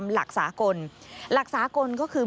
หลักษากลก็คือ